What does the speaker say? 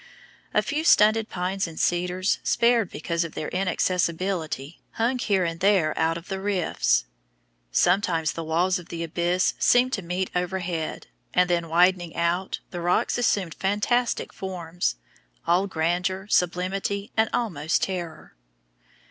A few stunted pines and cedars, spared because of their inaccessiblity, hung here and there out of the rifts. Sometimes the walls of the abyss seemed to meet overhead, and then widening out, the rocks assumed fantastic forms, all grandeur, sublimity, and almost terror.